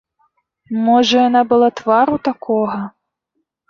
Можа, яна была твару такога?